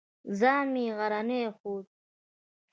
ځان مې غرنی ښوده.